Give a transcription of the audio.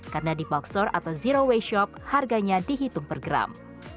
karena di bulk store atau zero waste shop harganya dihitung per gram